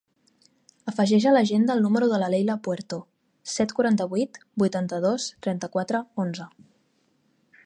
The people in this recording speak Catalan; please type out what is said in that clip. Afegeix a l'agenda el número de la Leila Puerto: set, quaranta-vuit, vuitanta-dos, trenta-quatre, onze.